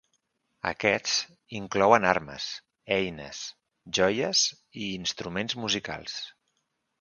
Aquests inclouen armes, eines, joies i instruments musicals.